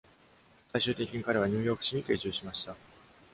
最終的に彼はニューヨーク市に定住しました。